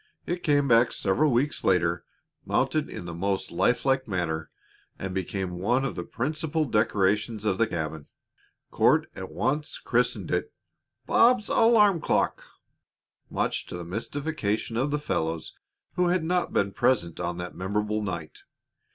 It came back several weeks later, mounted in the most lifelike manner, and became one of the principal decorations of the cabin. Court at once christened it "Bob's alarm clock," much to the mystification of the fellows who had not been present on that memorable night.